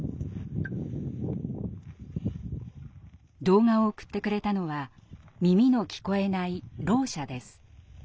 動画を送ってくれたのは耳の聞こえない「ろう者」です。